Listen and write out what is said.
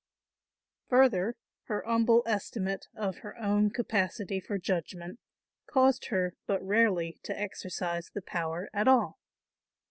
Further, her humble estimate of her own capacity for judgment caused her but rarely to exercise the power at all.